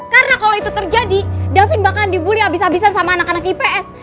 karena kalau itu terjadi davin bakalan dibully abis abisan sama anak anak ips